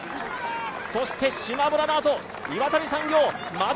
しまむらのあと、岩谷産業。